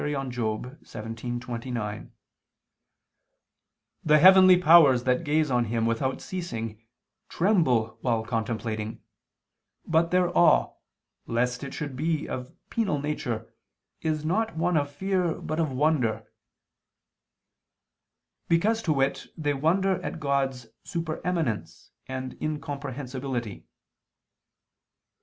xvii, 29): "The heavenly powers that gaze on Him without ceasing, tremble while contemplating: but their awe, lest it should be of a penal nature, is one not of fear but of wonder," because, to wit, they wonder at God's supereminence and incomprehensibility.